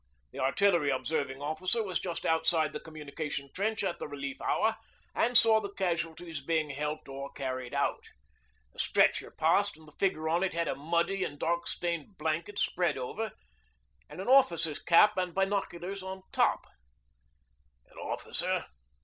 The Artillery Observing Officer was just outside the communication trench at the relief hour and saw the casualties being helped or carried out. A stretcher passed and the figure on it had a muddy and dark stained blanket spread over, and an officer's cap and binoculars on top. 'An officer?'